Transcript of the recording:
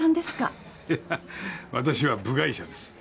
ははっいや私は部外者です。